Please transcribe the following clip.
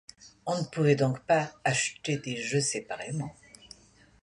On ne pouvait donc pas acheter des jeux séparément.